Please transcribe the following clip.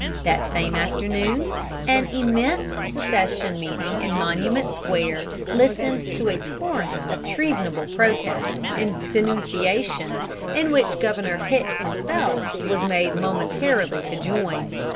That same afternoon an immense secession meeting in Monument Square listened to a torrent of treasonable protest and denunciation, in which Governor Hicks himself was made momentarily to join.